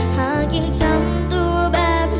หากยังทำตัวแบบนั้น